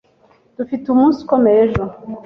Dufite umunsi ukomeye ejo.